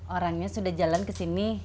orangnya sudah jalan kesini